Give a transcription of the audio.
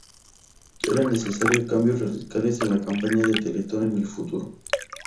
Eran necesarios cambios radicales en la campaña de la Teletón en el futuro.